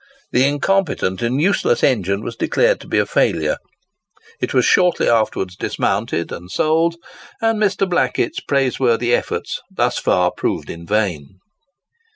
The incompetent and useless engine was declared to be a failure; it was shortly after dismounted and sold; and Mr. Blackett's praiseworthy efforts thus far proved in vain.